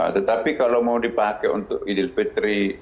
tetapi kalau mau dipakai untuk idul fitri